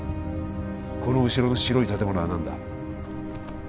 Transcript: この後ろの白い建物は何だ？